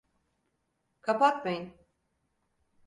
Kapatmayın.